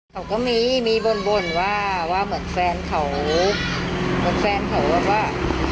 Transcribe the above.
เขาก็มีบ่นว่าเหมือนแฟนเขาว่า